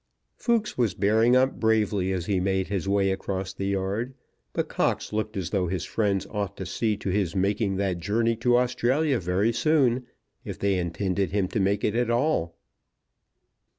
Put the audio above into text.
Fooks was bearing up bravely as he made his way across the yard; but Cox looked as though his friends ought to see to his making that journey to Australia very soon if they intended him to make it at all.